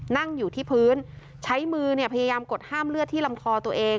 นั่งอยู่ที่พื้นใช้มือพยายามกดห้ามเลือดที่ลำคอตัวเอง